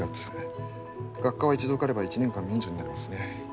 学科は一度受かれば１年間免除になりますね。